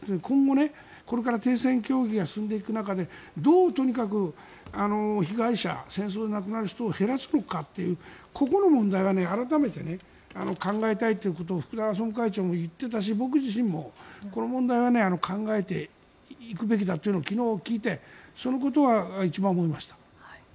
今後、これから停戦協議が進んでいく中でどうとにかく被害者、戦争で亡くなる人を減らすのかというここの問題は改めて考えたいということを福田総務会長も言っていたし僕自身もこの問題は考えていくべきだというのを昨日、聞いてそのことは一番思いました。